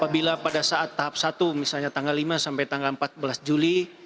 bila pada saat tahap satu misalnya tanggal lima sampai tanggal empat belas juli